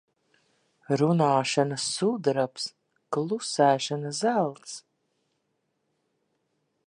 Runāšana sudrabs, klusēšana zelts.